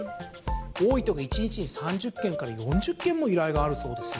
多い時は、１日に３０件から４０件も依頼があるそうですよ。